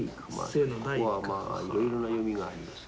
ここはまあいろいろな読みがあります。